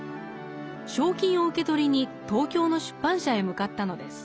賞金を受け取りに東京の出版社へ向かったのです。